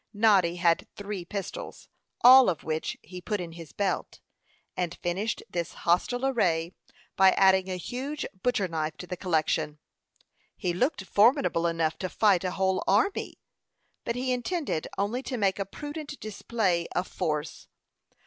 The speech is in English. Noddy had three pistols, all of which he put in his belt, and finished this hostile array by adding a huge butcher knife to the collection. He looked formidable enough to fight a whole army; but he intended only to make a prudent display of force.